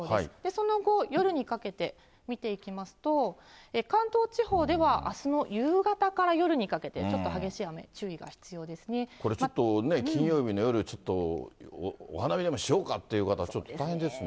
その後夜にかけて見ていきますと、関東地方では、あすの夕方から夜にかけてちょっと激しい雨、注意これちょっとね、金曜日の夜、ちょっとお花見でもしようかという方、ちょっと大変ですね。